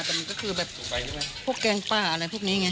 แต่มันก็คือแบบพวกแกงปลาอะไรพวกนี้ไง